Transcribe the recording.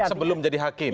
sebelum jadi hakim